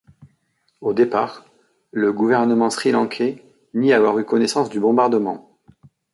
Au départ, le gouvernement sri-lankais nie avoir eu connaissance du bombardement.